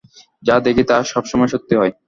যা দেখি তা সব সময় সত্যি হয়।